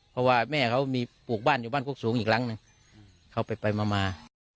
เพราะว่าแม่เขามีปลูกบ้านอยู่บ้านโคกสูงอีกหลังหนึ่งเขาไปมา